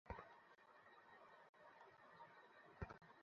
আমি তার তওবা কবুল করব।